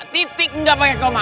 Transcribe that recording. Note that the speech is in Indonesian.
titik gak pake koma